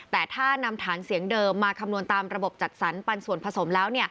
แต่ถ้านำฐานเสียงเดิมมาคำนวณตามระบบจัดสรรปันส่วนผสมแล้ว